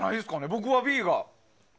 僕はＢが。